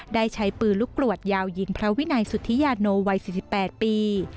ได้ใช้ปืนลูกกรวดยาวยิงพระวินัยสุธิยาโนวัย๔๘ปี